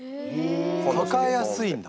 抱えやすいんだ